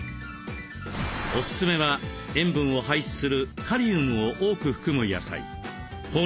オススメは塩分を排出するカリウムを多く含む野菜。